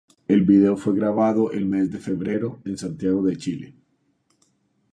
El video fue grabado el mes de febrero, en Santiago de Chile.